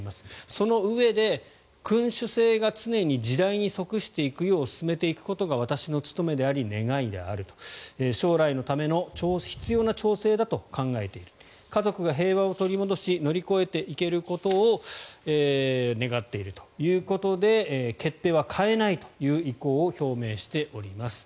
そのうえで、君主制が常に時代に即していくよう進めていくことが私の務めであり願いである将来のための必要な調整だと考えている家族が平和を取り戻し乗り越えていけることを願っているということで決定は変えないという意向を表明しております。